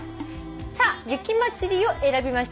「雪まつり」を選びました